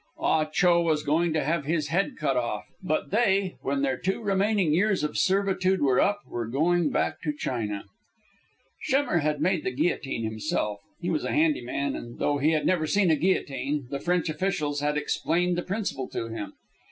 Ah Cho was going to have his head cut off, but they, when their two remaining years of servitude were up, were going back to China. Schemmer had made the guillotine himself. He was a handy man, and though he had never seen a guillotine, the French officials had explained the principle to him.